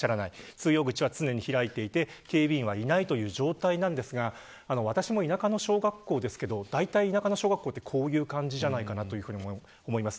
通用口は常に開いていて警備員はいないという状況ですが私も田舎の小学校ですけどだいたい田舎の小学校はこういう感じだと思います。